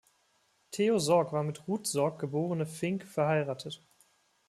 Theo Sorg war mit Ruth Sorg geborene Fink verheiratet.